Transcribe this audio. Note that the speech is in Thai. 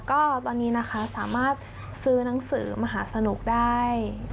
ก็ตอนนี้นะคะสามารถซื้อหนังสือมหาสนุกได้